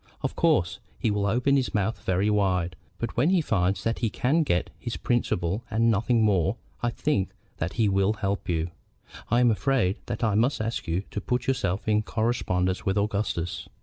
Of course he will open his mouth very wide; but when he finds that he can get his principal and nothing more, I think that he will help you. I am afraid that I must ask you to put yourself in correspondence with Augustus.